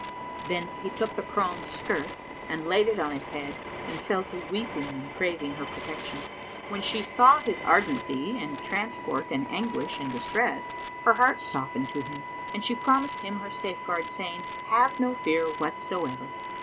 Then he took the crone's skirt and laid it on his head and fell to weeping and craving her protection. When she saw his ardency and transport and anguish and distress, her heart softened to him and she promised him her safeguard, saying, "Have no fear whatsoever."